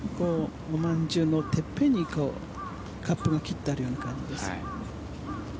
おまんじゅうのてっぺんにカップが切ってあるような感じです。